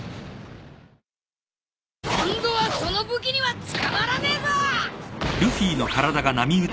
今度はその武器には捕まらねえぞ。